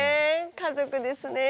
家族ですね。